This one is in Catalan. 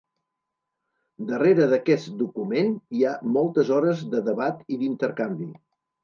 Darrere d’aquest document hi ha moltes hores de debat i d’intercanvi.